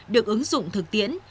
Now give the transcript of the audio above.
được ứng dụng thực tiễn